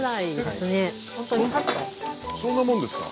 そんなもんですか？